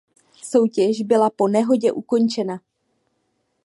Soutěž byla po nehodě ukončena.